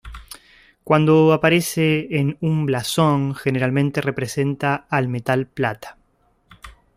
Cuando aparece en un blasón, generalmente representa al metal plata.